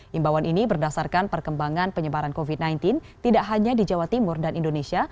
himbawan ini berdasarkan perkembangan penyebaran covid sembilan belas tidak hanya di jawa timur dan indonesia